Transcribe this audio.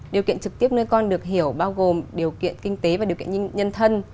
điều kiện trực tiếp nuôi con được hiểu bao gồm điều kiện kinh tế và điều kiện nhân thân